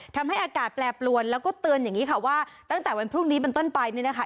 ทำให้อากาศแปรปรวนแล้วก็เตือนอย่างนี้ค่ะว่าตั้งแต่วันพรุ่งนี้เป็นต้นไปเนี่ยนะคะ